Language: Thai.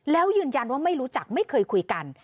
แล้วยืนยันว่าไม่รู้จักไม่เคยคุยกัน